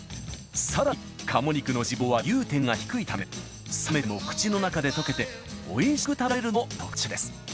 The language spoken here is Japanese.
更に鴨肉の脂肪は融点が低いため冷めても口の中で溶けておいしく食べられるのも特徴です。